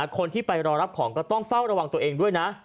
คนที่ไปรอรับของก็ต้องเฝ้าระวังตัวเองด้วยนะ